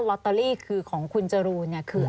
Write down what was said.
รอตเตอรี่คือของคุณจรู